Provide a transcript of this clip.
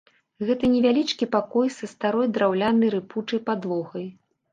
Гэта невялічкі пакой са старой драўлянай рыпучай падлогай.